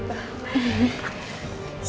oke kalau gitu